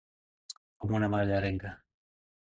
Com una mallerenga.